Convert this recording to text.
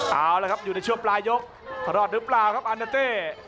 เอาละครับอยู่ในช่วงปลายยกตลอดหรือเปล่าครับอันนาเต้